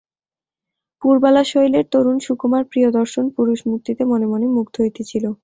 পুরবালা শৈলের তরুণ সুকুমার প্রিয়দর্শন পুরুষমূর্তিতে মনে মনে মুগ্ধ হইতেছিল।